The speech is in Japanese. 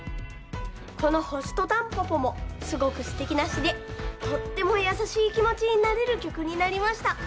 この「星とたんぽぽ」もすごくすてきなしでとってもやさしいきもちになれるきょくになりました。